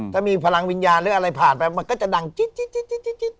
ถ้ามีพลังวิญญาณหรืออะไรผ่านไปมันก็จะดังจิ๊ด